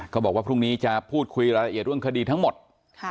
บอกว่าพรุ่งนี้จะพูดคุยรายละเอียดเรื่องคดีทั้งหมด